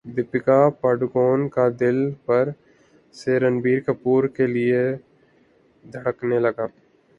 دپیکا پڈوکون کا دل پھر سے رنبیر کپور کے لیے دھڑکنے لگا